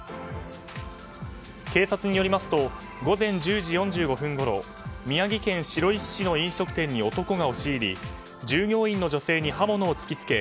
警察によりますと午前１０時４５分ごろ宮城県白石市の飲食店に男が押し入り従業員の女性に刃物を突き付け